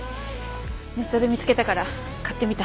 ネットで見つけたから買ってみた。